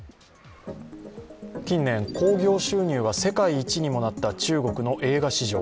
近年、興行収入が世界一にもなった中国の映画市場。